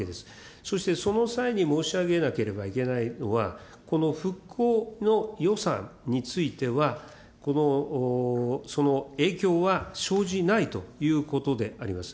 そしてその際に申し上げなければいけないのは、この復興の予算については、その影響は生じないということであります。